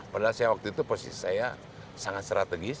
padahal saya waktu itu posisi saya sangat strategis